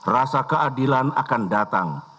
rasa keadilan akan datang